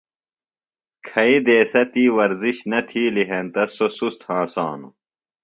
کھیئی دیسہ تی ورزش نہ تِھیلی ہینتہ سوۡ سُست ہنسانوۡ۔